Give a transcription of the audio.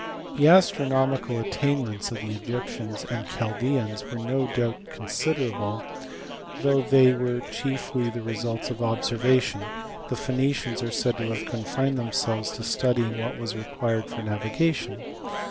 The astronomical attainments of the Egyptians and Chaldaeans were no doubt EARLY CHINESE MATHEMATICS. 9 considerable, though they were chiefly the results of obser vation : the Phoenicians are said to have confined themselves to studying what was required for navigation.